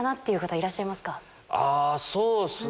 あそうっすね。